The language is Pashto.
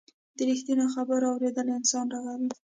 د رښتینو خبرو اورېدل انسان رغوي.